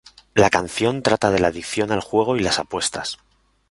La canción trata de la adicción al juego y las apuestas.